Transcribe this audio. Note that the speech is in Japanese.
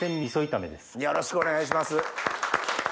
よろしくお願いします。